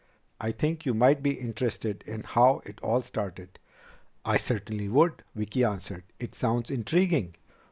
"I think you might be interested in how it all started." "I certainly would," Vicki answered. "It sounds intriguing."